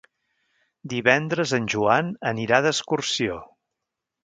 Divendres en Joan anirà d'excursió.